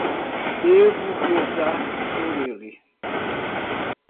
Devo rezar por ele?